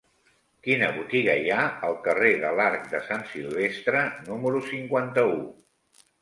Quina botiga hi ha al carrer de l'Arc de Sant Silvestre número cinquanta-u?